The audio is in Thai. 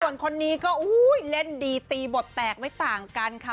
ส่วนคนนี้ก็เล่นดีตีบทแตกไม่ต่างกันค่ะ